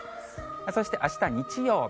そして、あした日曜日。